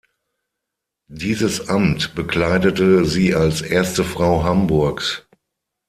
Dieses Amt bekleidete sie als erste Frau Hamburgs.